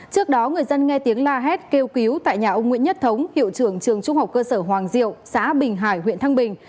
trước đó người dân nghe tiếng la hét kêu cứu tại nhà ông nguyễn nhất thống hiệu trưởng trường trung học cơ sở hoàng diệu xã bình hải huyện thăng bình